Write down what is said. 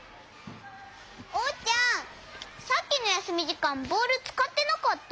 おうちゃんさっきのやすみじかんボールつかってなかった？